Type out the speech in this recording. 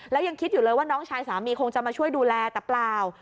แล้วยังคิดอยู่เลยว่าน้องชายสามีคงจะมาช่วยดูแลแต่เปล่า